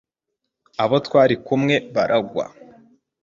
abo twari kumwe baragwa